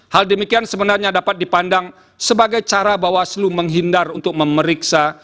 hal demikian sebenarnya dapat dipandang sebagai cara bawaslu menghindar untuk memeriksa